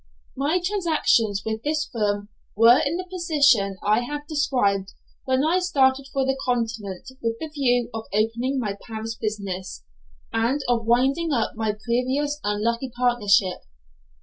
My transactions with this firm were in the position I have described when I started for the Continent with the view of opening my Paris business, and of winding up my previous unlucky partnership.